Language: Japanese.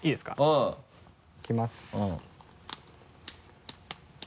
うん。いきます。